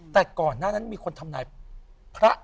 แต่ก่อนหน้านั้นมีคนทำนายพระ